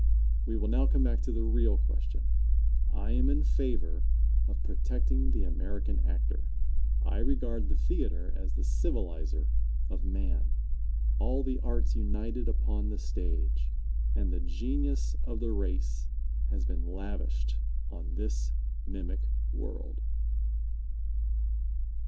We will now come back to the real question. I am in favor of protecting the American actor. I regard the theatre as the civilizer of man. All the arts united upon the stage, and the genius of the race has been lavished on this mimic world.